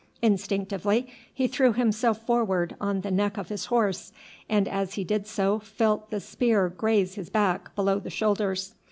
Instinctively he threw himself forward on the neck of his horse, and as he did so felt the spear graze his back below the shoulders.